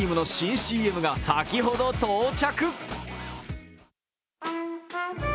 ＣＭが先ほど到着。